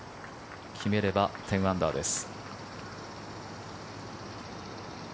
決めれば１０アンダーです。